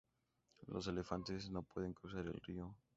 Los elefantes no pueden cruzar el río.